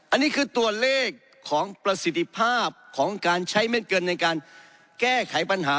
อันนี้คือตัวเลขของประสิทธิภาพของการใช้เม็ดเกินในการแก้ไขปัญหา